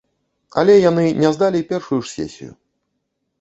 Але яны не здалі першую ж сесію.